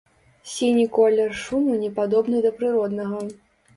Сіні колер шуму не падобны да прыроднага.